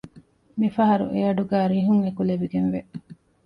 މިފަހަރު އެއަޑުގައި ރިހުން އެކުލެވިގެންވެ